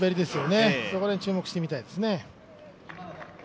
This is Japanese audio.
そこら辺、注目して見たいですね。